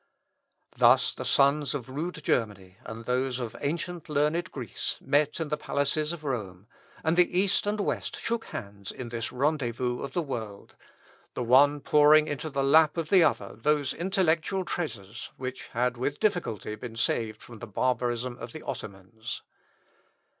Thus the sons of rude Germany, and those of ancient learned Greece, met in the palaces of Rome, and the East and West shook hands in this rendezvous of the world the one pouring into the lap of the other those intellectual treasures which had with difficulty been saved from the barbarism of the Ottomans.